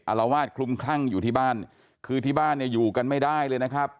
อารวาสคลุมคลั่งอยู่ที่บ้านคือที่บ้านเนี่ยอยู่กันไม่ได้เลยนะครับ